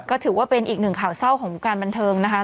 ก็ถือว่าเป็นอีกหนึ่งข่าวเศร้าของวงการบันเทิงนะคะ